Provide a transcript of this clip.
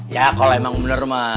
ya kalau emang bener mah